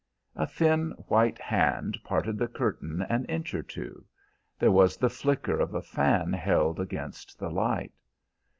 A thin white hand parted the curtain an inch or two. There was the flicker of a fan held against the light.